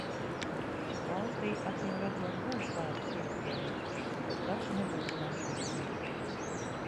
Valstij acīmredzot būs tādas iespējas, bet tas nebūs masveidīgi.